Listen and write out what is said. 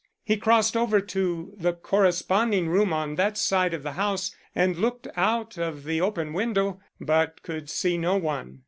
He crossed over to the corresponding room on that side of the house, and looked out of the open window, but could see no one.